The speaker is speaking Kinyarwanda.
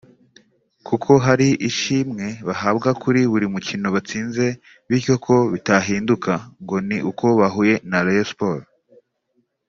kuko hari ishimwe bahabwa kuri buri mukino batsinze bityo ko bitahinduka ngo ni uko bahuye na Rayon Sports